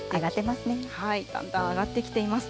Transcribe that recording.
だんだん上がってきています。